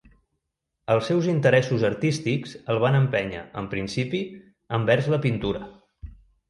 Els seus interessos artístics el van empènyer, en principi, envers la pintura.